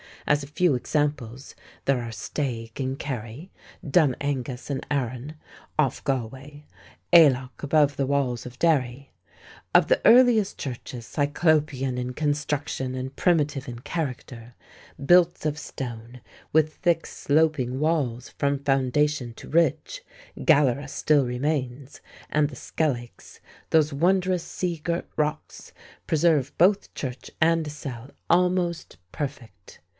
As a few examples, there are Staigue, in Kerry; Dun Angus, in Aran, off Galway; Aileach, above the walls of Derry. Of the earliest churches, cyclopean in construction and primitive in character, built of stone, with thick sloping walls from foundation to ridge, Gallerus still remains, and the Skelligs, those wondrous sea girt rocks, preserve both church and cell almost perfect.